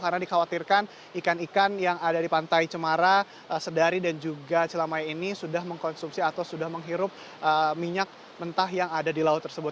karena dikhawatirkan ikan ikan yang ada di pantai cemarta sedari dan juga celamaya ini sudah mengkonsumsi atau sudah menghirup minyak mentah yang ada di laut tersebut